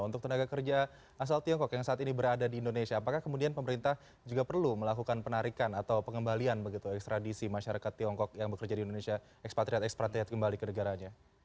untuk tenaga kerja asal tiongkok yang saat ini berada di indonesia apakah kemudian pemerintah juga perlu melakukan penarikan atau pengembalian begitu ekstradisi masyarakat tiongkok yang bekerja di indonesia ekspatriat ekspatriat kembali ke negaranya